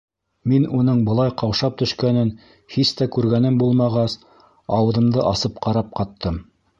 Мин уның былай ҡаушап төшкәнен һис тә күргәнем булмағас, ауыҙымды асып ҡарап ҡаттым.